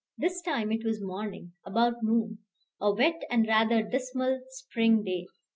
This time it was morning, about noon, a wet and rather dismal spring day.